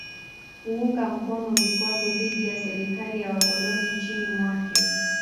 Kuunga mkono vikwazo dhidi ya serikali ya wakoloni nchini mwake